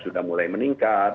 sudah mulai meningkat